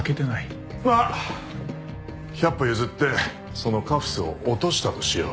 まあ百歩譲ってそのカフスを落としたとしよう。